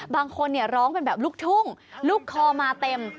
บางคนร้องเป็นแบบลูกทุ่งลูกคอมาเต็ม